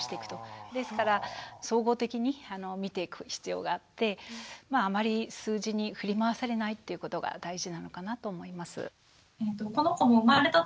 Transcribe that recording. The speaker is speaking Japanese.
ですから総合的に見ていく必要があってあまり数字に振り回されないということが大事なのかなと思います。